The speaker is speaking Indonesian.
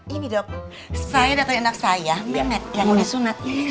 ini dok saya datang anak saya mehmet yang mau disunat